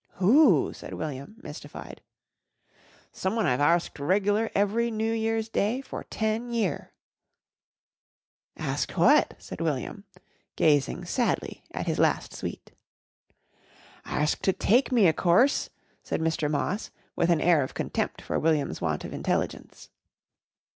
"Who?" said William mystified. "Someone I've arsked regl'ar every New Year's Day for ten year." "Asked what?" said William, gazing sadly at his last sweet. "Arsked to take me o' course," said Mr. Moss with an air of contempt for William's want of intelligence.